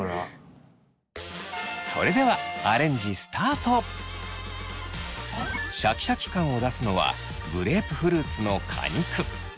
それではアレンジシャキシャキ感を出すのはグレープフルーツの果肉。